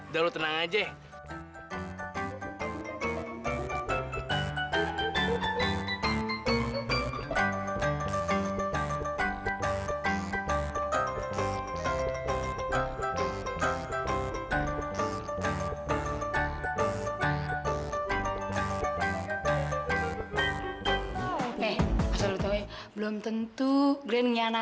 kamu lihat itu era